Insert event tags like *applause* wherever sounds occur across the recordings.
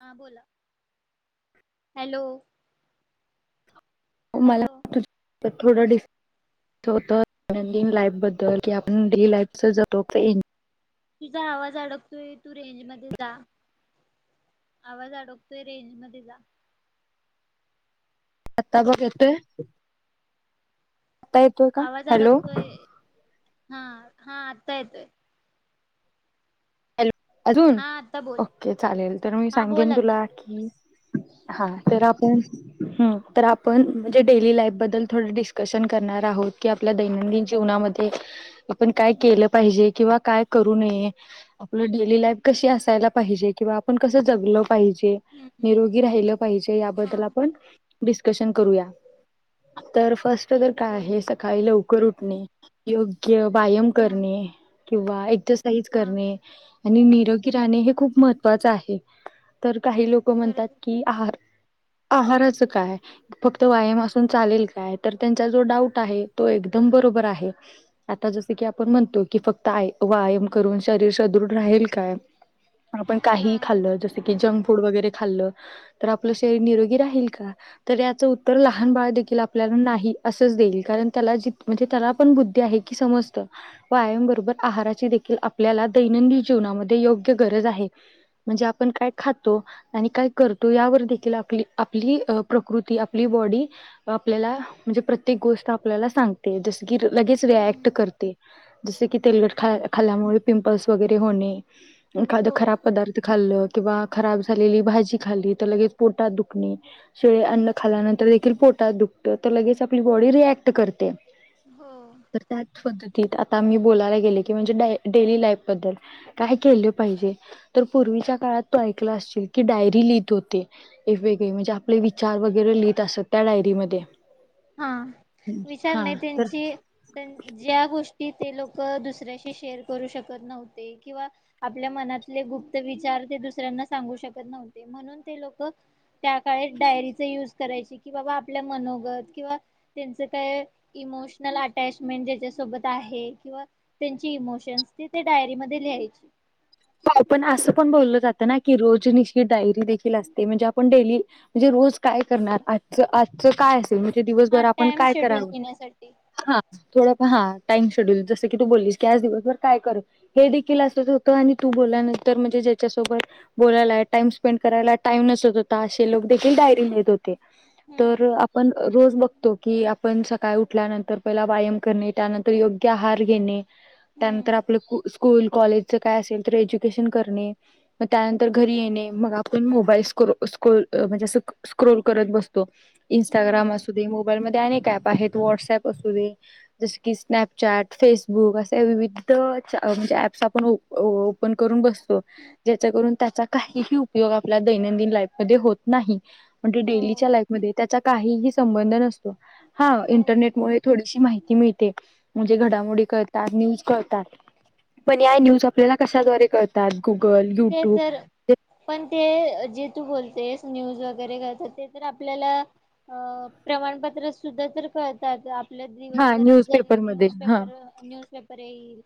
हा बोल? हॅलो. मला हॅलो वात, थोडं डिफ त *unintelligible* दैनंदिन लाईफ बद्दल किंवा आपण डेली लाईफ जातो *unintelligible* तुझा आवाज अडकतोय तू रेंज मध्ये जा. आवाज अडकतोय रेंज मध्ये जा. आता बघ येतोय, आत्ता येतोय का, आवाज हॅलो. अडकतोय हा हा आता येतोय. हॅलो अजून, हा आता बोल ओके चालेल तर मी हा बोल सांगेन आता तुला की हा तर आपण हम्म तर आपण म्हणजे डेली लाईफबद्दल थोड डिस्कशन करणार आहोत की आप आपल्या दैनंदिन जीवनामध्ये, आपण काय हम्म केलं पाहिजे किंवा काय करू नये? आपलं डेली लाईफ कशी असायला पाहिजे किंवा आपण कसं जगलो पाहिजे. हम्म निरोगी राहिलं पाहिजे याबद्दल हा आपण डिस्कशन करूया, तर फर्स्ट तर ठीक काय बोल आहे सकाळी लवकर उठणे. योग्य व्यायाम हा करणे, किंवा एक्सरसाइज हा करणे. आणि निरोगी राहणे हे खूप महत्वाचं आहे, तर काही लोक म्हणतात बरोबर की आहार, आहाराचं काय? फक्त व्यायाम असून चालेल काय तर त्यांचा जो डाऊट आहे तो एकदम बरोबर आहे. आता जस की आपण म्हणतो की फक्त आय व्यायाम करून शरीर सदृढ राहील काय, आपण काही नाही खाल तर ते की जंक फूड वगैरे खाल्लं, तर आपलं शरीर निरोगी राहील का? तर याचं उत्तर हा लहान बाळ देखील आप आपल्याला नाही असच देईल कारण त्याला जी म्हणजे त्याला पण बुद्धी आहे की समजत. व्यायामबरोबर आहाराची देखील आपल्याला दैनंदिन जीवनामध्ये योग्य गरज आहे. म्हणजे आपण काय खातो? आणि काय करतो यावर देखील आपली आपली अ प्रकृती आपली बॉडी आपल्याला म्हणजे प्रत्येक गोष्ट आपल्याला सांगते जस किर लगेच रिॲक्ट हम्म करते, जस की तेलकट हम्म खाल्यामुळे पिंपल्स वगैरे होणे, एखादं हो खराब पदार्थ खाल्लं किंवा खराब झालेली भाजी खाल्ली तर लगेच पोटात दुखणे शिळे अन्न खाल्यानंतर देखील पोटात दुखतं, तर लगेच आपली बॉडी रिॲक्ट करते. हो. तर त्याच पद्धतीत, आता मी बोलायला गेले की म्हणजे डाय डेली लाईफ बद्दल काय केलं पाहिजे. तर पूर्वीच्या काळात तु ऐकलं असशील, की डायरी लिहित होते. वेगवेगळे म्हणजे आपले विचार वगैरे लिहित असत, त्या डायरीमध्ये. हा, विचार हा नाही तर त्यांची त्यांन ज्या गोष्टी ते लोकं, दुसऱ्याशी शेअर करू शकत नव्हते किंवा आपल्या मनातले गुप्त विचार, ते दुसऱ्यांना सांगू शकत नव्हते म्हणून ते लोकं त्या काळी डायरीचा यूज करायची, की बाबा आपल्या मनोगत किंवा त्यांचं काय इमोशनल अटॅचमेंट ज्याच्यासोबत आहे किंवा त्यांची इमोशन्स, ती ते डायरीमध्ये लिहायची. हो, पण असं पण बोललं जातं ना, की रोजनिशी डायरी देखील असते म्हणजे आपण डेली म्हणजे रोज काय करणार? आजचं, आजचं काय हो, म्हणजे हा दिवसभर आपण टाइम काय शेड्यूल करावं. घेण्यासाठी हा. थोडंफार हा, टाइम शेड्यूल. जसं की तू बोललीस की, आज दिवसभर काय करू हे देखील असंच होतं आणि तू बोलल्यानंतर म्हणजे ज्याच्यासोबत बोलायला, टाइम स्पेंड करायला टाइम नसत होता असे लोक देखील डायरी लिहीत होते. ते. तर हम्म आपण रोज बघतो की पण सकाळी उठल्यानंतर पहिला वायम करणे, त्यानंतर योग्य आहार घेणे, त्यानंतर हम्म आपलं कु स्कूल कॉलेजचं काय असेल, तर एज्युकेशन करणे. मग त्यानंतर घरी येणे, मग आपण मोबाईल स्क्रो.. स्कूल म्हणजे असं स्क्रोल करत बस तो. इंस्टाग्राम हम्म असू दे. मोबाईलमध्ये अनेक ऍप आहेत, व्हॉट्सअप असू दे जसे की स्नॅपचॅट, फेसबुक असे विविध चॅ म्हणजे ऍप्स आपण ओप पण करून बसतो. ज्याच्या करून, त्याचा काहीही उपयोग आपल्या दैनंदिन लाईफमध्ये होत नाही. म्हणजे हो डेलीच्या लाईफमध्ये, त्याचा काहीही संबंध नसतो. हा, हो इंटरनेटमुळे थोडीशी माहिती मिळते म्हणजे घडामोडी कळतात, न्यूज कळतात पण या न्यूज आपल्याला कशाद्वारे कळतात? मॅप, गुगल ते युट्यूब तर पण ते जे तू बोलतेस, न्यूज वगैरे कळतात. ते तर आपल्याला अ प्रमाणपत्र सुद्धा तर कळतात आपल्यात हा दिवसभरात जर न्यूजपेपरमध्ये न्यूज हा पेपरं न्यूजपेपर येईल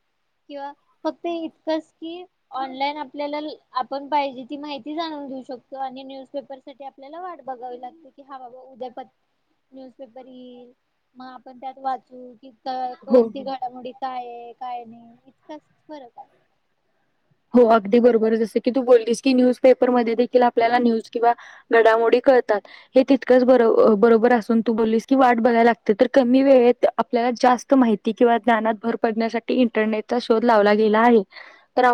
किंवा फक्त इतकंच की ऑनलाईन आप आपल्याला ल आपण पाहिजे ती, माहिती जाणून घेऊ शकतो आणि न्यूजपेपर साठी आपल्याला वाट बघावी लागते. कि हा बाबा, उद्या पत न्यूजपेपर येईल. मग आपण त्यात वाचू, की तर हो. हो. कोणती घडामोडी काय आहे? काय नाही? इतकाच फरक आहे. हो, अगदी बरोबर. जसं की तू बोललीस की, न्यूजपेपरमध्ये देखील आपल्याला न्यूज किंवा घडामोडी कळतात. हे तितकंच बरो बरोबर असून, तू बोललीस की वाट बघायला लागते. तर कमी वेळेत आपल्याला जास्त माहिती किंवा ज्ञानात भर पडण्यासाठी, इंटरनेटचा शोध लावला गेला आहे.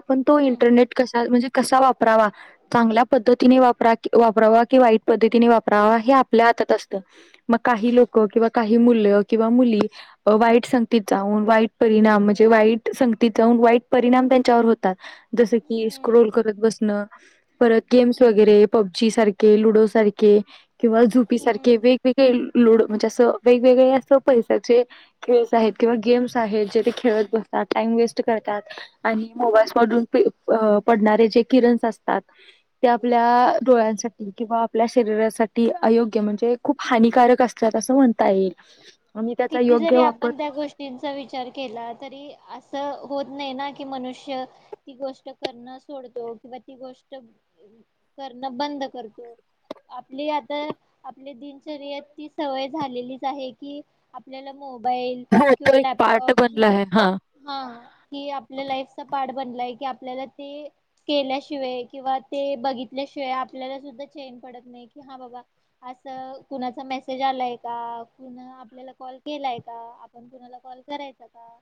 पण तो हम्म इंटरनेट, कसा म्हणजे कसा वापरावा चांगल्या पद्धतीने वापरा कि, वापरावा कि वाईट पद्धतीने वापरावा हे आपल्या हातात असतं. मग काही लोकं किंवा काही मुलं किंवा मुली वाईट संगतीचा वाईट परिणाम, म्हणजे वाईट संगतीचा वाईट परिणाम त्यांच्यावर होतो. जसं की, हम्म स्क्रोल करत बसणं. परत गेम्स वगैरे, पब्जी सारखे, लुडो सारखे किंवा हम्म झुपीसारखे वेग वेगळे लुडो म्हणजे असं वेगवेगळे, असे पैशांचे. खेळच आहेत किंवा गेम्स आहेत, जे ते खेळत बसतात, टाइम वेस्ट करतात आणि मोबाईल... पडणारे जे किरण असतात, ते आपल्या डोळ्यांसाठी... किंवा आपल्या शरीरासाठी अयोग्य, म्हणजे खूप हानिकारक असतात, असं म्हणता येईल. आम्ही त्याचा योग्य वापर... त्यांचा विचार केला तरी असं होत नाही ना की मनुष्य... ती गोष्ट करणं सोडतो किंवा ती गोष्ट करणं बंद करतो. आपली आता दिनचर्या, ती सवय झालेलीच आहे की... आपल्याला मोबाईल हा किंवा तो एक पार्ट लॅपटॉप... बनला आहे हा हं, की आपल्या लाइफचा पार्ट बनलाय की आपल्याला ते... केल्याशिवाय किंवा ते बघितल्याशिवाय आपल्याला सुद्धा चैन पडत नाही की, हा बाबा... असं कुणाचा मेसेज आलाय का कुणाला आपल्याला? कॉल केलाय का आपण, कुणाला कॉल करायचा का?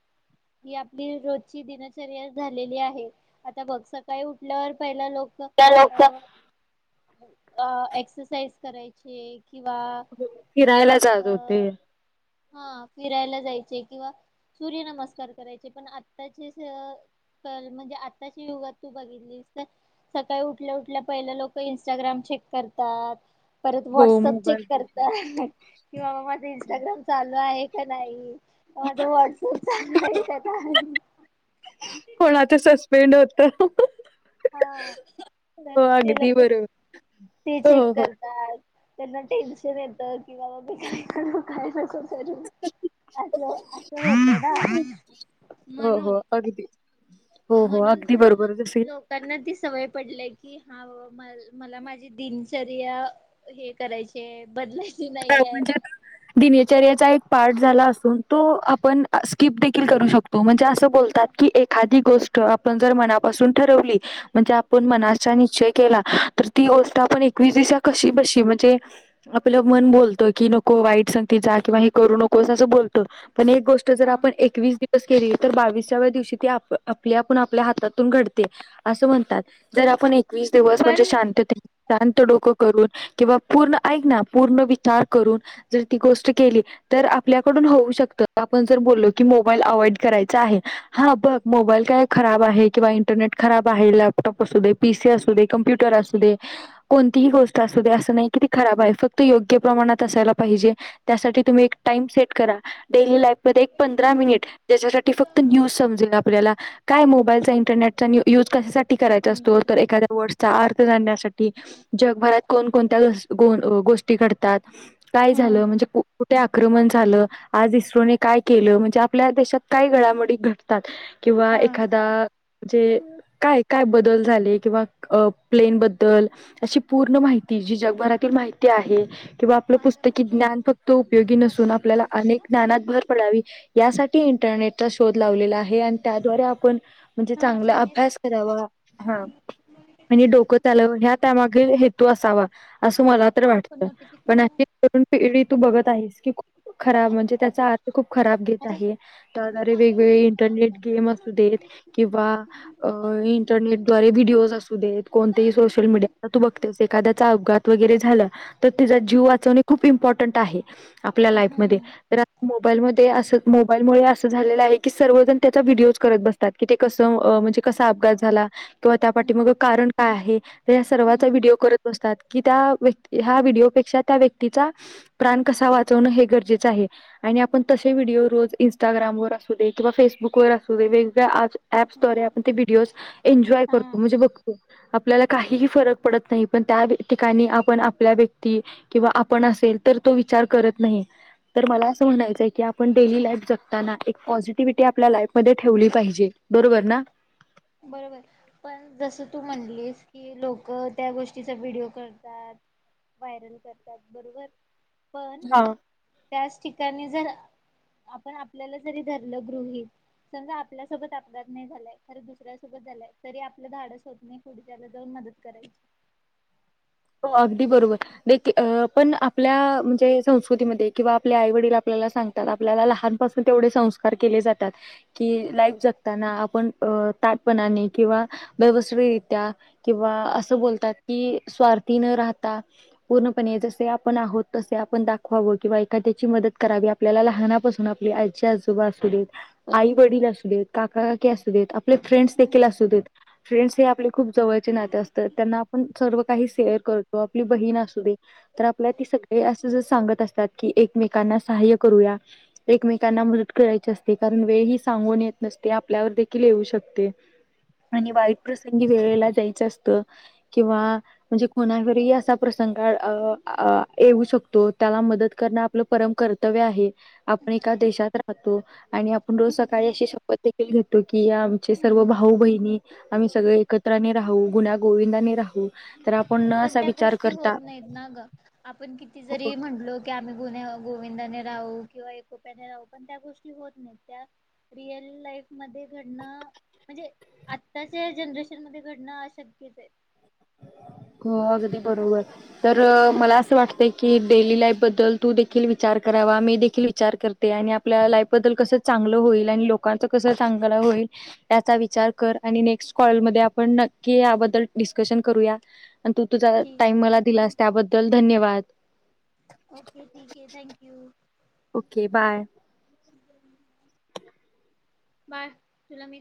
ही आपली रोजची दिनचर्या झालेली आहे. आता बघ, सकाळी उठल्यावर पहिला लोक... त्या लोक अं, एक्सरसाइज करायची. किंवा फिरायला जात अं... होते हा, फिरायला जायचं किंवा सूर्यनमस्कार करायचे, पण आत्ताचे... क म्हणजे, आताच्या युगात तू बघितलीस तर... सकाळी उठल्या उठल्या पहिले लोक इंस्टाग्राम चेक करतात. परत हो व्हॉट्सअॅप चेक मोबाईल करत घेतला की, माझं इंस्टाग्राम... चालू आहे का नाही? माझं व्हॉट्सअॅप चालू आहे का नाही? कोणाचं सस्पेंड होतं. हा, तर त्याला अगदी बरोबर ती चेक हो हो कर. त्यांना टेन्शन येतं की, बाबा, की काय करू काय नको करू... असलं असं म्हणून. पगती. म्हणून तर लोक... त्यांना ती सवय पडलीय की, हा माझी दिनचर्या... हे करायचं बदलायचं. हो, म्हणजे... दिनचर्येचा एक पार्ट झाला असून, तो आपण स्किप देखील करू शकतो. तो म्हणजे, असं बोलतात की एखादी गोष्ट आपण जर मनापासून ठरवली... म्हणजे आपण मनाचा निश्चय केला तर ती गोष्ट आपण एकवीस दिवस कशीबशी म्हणजे... आपल्याला मन बोलतं की, नको वाईट संगतीचं किंवा हे करू नको, असं बोलतं. पण, एक गोष्ट ह आप एकवीस दिवस... केली तर बाविसाव्या दिवशी ती आपली आपण आपल्या हातून घडते. असं म्हणतात, जर आपण... एकवीस दिवस पण म्हणजे शांततेत, शांत डोकं करून किंवा पूर्ण ऐक ना... पूर्ण विचार करून जर ती गोष्ट केली... तर आपल्याकडून होऊ शकतं. आपण जर बोललो की, मोबाईल अवॉइड करायचा आहे... हा बघ... मोबाईल काय... खराब आहे... किंवा इंटरनेट खराब आहे... लॅपटॉप असू दे... पी सी असू दे. कम्प्युटर असू दे... कोणतीही गोष्ट असू दे... असं नाही की... ती खराब आहे... फक्त ती योग्य प्रमाणात असायला पाहिजे... त्यासाठी तुम्ही एक टाईम सेट करा.. डेली लाई -फमध्ये एक पंधरा मिनिट... त्याच्यासाठी फक्त न्यूज समजेल आपल्याला काय मोबाईलचा... इंटरनेटचा युज... कशासाठी करायचा हम्म असतो... तर एखाद्या वर्डसचा... अर्थ जाण्यासाठी. -ठी... जगभरात कोण कोणत्या... गस... गोण... गोष्टी घडतात.. काय हम्म झालं म्हणजे कुठे आक्रमण झालं? आज इस्रोने काय केलं? म्हणजे... आपल्या देशात... काय घडामोडी घडतात किंवा हा. एखादा... म्हणजे... काय? काय बदल झाले... किंवा प्लेनबद्दल अशी पूर्ण माहिती... जी जगभरातील माहिती आहे हे... किंवा... आपलं माझा पुस्तकी मोबाईल ज्ञान फक्त... उपयोगी व्हॉट्सअप नसून... आपल्याला.. अनेक तुला ज्ञानात... भर पडावी यासाठी इंटरनेटचा शोध लावलेला आहे... आणि त्याद्वारे आपण म्हणजे हा चांगला छान आहेस. अभ्यास करावा... हा... आणि डोकं चालावं... ह्या... त्यामागे हे -तू असावा... असं मला तर वाट पण पण... नोटिफिकेशन अशी तरुण पिढी.. तू बघत आहेस... की खूप खराब ऑफ म्हणजे... त्याचा अर्थ खूप खराब घेत अरे आहेत... त्या अबे द्वारे पागल मी वेगवेगळे इथं ऑफ इंटरनेट करणार गेम नाही असू देत किंवा... नोटिफिकेशन तुला का अं... इंटरनेट द्वारे व्हिडीओज असू देत कोणतंही सोशल मीडिया... आता तू बघतेस... एखद्याचा अपघात वगैरे झाला तर तिचा जीव वाचवणे... खूप इम्पॉर्टंट आहे... आपल्या लाईफ मध्ये... हम्म तर आता मो मोबाईलमध्ये असं... मोबाईलमुळे असं झालेलं आहे की... सर्व जण... त्याचा व्हिडिओच करत बसतात... की ते कसं... अं... म्हणजे कसा अपघात झाला? किंवा त्या हम्म. पाठीमागं कारण काय आहे... तर ह्या सर्वाचा हम्म व्हिडिओ करत बसतात... की त्या व्यक्ती ह्या व्हिडिओपेक्षा.. त्या व्यक्तीचा... प्राण कसा वाचवणं... हे गरजेचं आहे. आणि आपण.. तसे व्हिडिओ रोज... इंस्टाग्राम वर... असू दे... किंवा फेसबुकवर असू दे सो... वेगवेगळ्या अँप्सद्वारे... आपण ते व्हिडिओज एन्जॉय हा करतो... म्हणजे बघतो. आपल्याला... काहीही फरक पडत नाही.... पण त्या ठिकाणी आपण आपल्या व्यक्ती... किंवा आपण असेल... तर तो विचार करत नाही. तर मला... असं... म्हणायचंय... की आपण डेली लाईफ जगताना... एक पॉझिटिव्हिटी... आपल्या लाईफ मध्ये... ठेवली पाहिजे. बरोबर ना? बरोबर. पण... जसं... तू म्हणलीस, की लोकं त्या गोष्टीचा व्हिडिओ करतात व्हायरल करतात बरोबर... पण... हा त्याच ठिकाणी जर आपण आपल्याला जरी धरलं गृहित.... समजा आपल्यासोबत अपघात नाही झालाय... खरं दुसऱ्या दुसऱ्या सोबत झालाय... तरी आपलं धाडस होतं नाई पुढच्याला जाऊन मदत करायची हो... अगदी बरोबर.... दे... की... अं... पण आपल्या म्हणजे... संस्कृतीमध्ये... किंवा आपल्या... आईवडील आपल्याला सांग तर आपल्याला लहानपासून... तेवढे संस्कार केले जातात कि... लाईफ जगताना आपण अं... ताटपणाने... किंवा व्यवस्वी रित्या किंवा असं बोलतात कि स्वार्थी न राहता पूर्णपणे... जसे आपण आहोत... तसे आपण दाखवावं... किंवा एखाद्याची मदत करावी... आप आपल्याला लहानापासून... आपली आजी आजोबा असू देत... आई-वडील असू देत... काका-काकी असू देत... आप- आपले फ्रेंड्स हम्म देखील असू देत.... फ्रेंड्स हे आपले खूप जवळचे नाते असतं... त्यांना आपण सर्व काही शेअर करतो... आपली बहीण असू दे तर आपल्या ती सगळी... असं जर... सांगत असतात की, एकमेकांना सहाय्य करूया एकमेकांना मदत करायची असते... कारण वेळ ही सांगून येत नसते... आपल्यावर देखील येऊ शकते. आणि वाईट प्रसंगी, वेळेला जायचं असतं. किंवा म्हणजे कोणावरही असा प्रसंग अंअ येऊ शकतो, त्याला मदत करणं आपलं परम कर्तव्य आहे. आपण एका देशात राहतो आणि आपण रोज सकाळी अशी शपथ देखील घेतो कि, हे आमचे सर्व हम्म. भाऊ बहिणी आम्ही सगळे एकत्राने राहू, गुण्या गोविंदाने राहू. तर आप पण त्या गोष्टी होत नाही ना गं, आपण किती जरी म्हणलो की आम्ही गुण्या गोविंदाने राहू किंवा एकोप्याने राहू, पण त्या गोष्टी होत नाहीत. त्या रियल लाईफ मध्ये घडणं म्हणजे आत्ताच्या जनरेशन मध्ये घडणं, अशक्यच आहे. हो, अगदी बरोबर. तर मला असं वाटतंय की, डेली लाईफ बद्दल तू देखील विचार करावा. मी देखील विचार कर ते आणि आपल्या लाईफ बद्दल कसं चांगलं होईल आणि लोकांच कसं ते चांगलं होईल याचा विचार कर आणि नेक्स्ट कॉल मध्ये आपण नक्की याबद्दल डिस्कशन करूया आणि तू तुझा ठीक टाइम मला दिलास, त्याबद्दल धन्यवाद. ओके, ठीक आहे. Thank you. Okay, bye. Bye, तुला मी काय